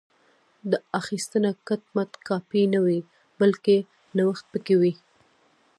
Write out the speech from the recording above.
دا اخیستنه کټ مټ کاپي نه وي بلکې نوښت پکې وي